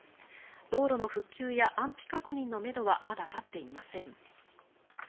道路の復旧や安否確認のめどはまだ立っていません。